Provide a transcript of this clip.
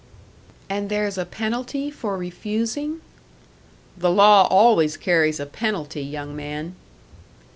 "And there's a penalty for refusing?" "The law always carries a penalty, young man."